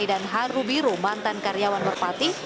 di dan haru biru mantan karyawan merpati